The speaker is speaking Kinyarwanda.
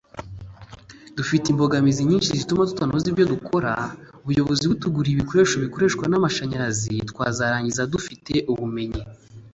Dufite imbogamizi nyinshi zituma tutanoza neza ibyo dukora ubuyobozi butuguriye ibikoresho bikoreshwa n’amashanyarazi twazarangiza dufite ubumenyi